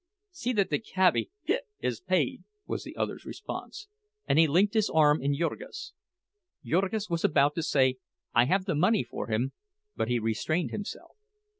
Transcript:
"See that the cabbie—hic—is paid," was the other's response; and he linked his arm in Jurgis'. Jurgis was about to say, "I have the money for him," but he restrained himself.